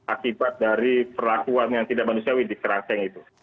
akibat dari perlakuan yang tidak manusiawi di kerangkeng itu